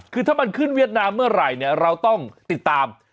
คือถ้ามันขึ้นเวียดนามเมื่อไหร่เนี่ยเราต้องติดตาม